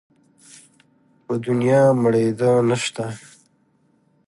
په دونيا مړېده نه شته.